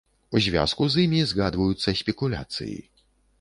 У звязку з імі згадваюцца спекуляцыі.